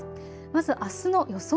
まずあすの予想